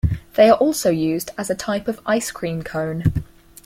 They are also used as a type of ice cream cone.